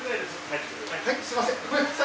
はいすいません。